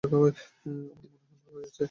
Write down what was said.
আমার মনে হয় ও ভালোই আছে।